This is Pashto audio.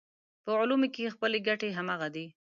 په علومو کې خپلې ګټې همغه دي.